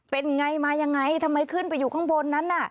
เป็นไงมายังไงทำไมขึ้นไปอยู่ข้างบนนั้นน่ะ